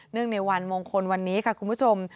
ในวันมงคลวันนี้ค่ะคุณผู้ชม